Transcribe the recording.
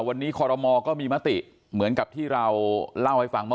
วันนี้คอรมอก็มีมติเหมือนกับที่เราเล่าให้ฟังว่า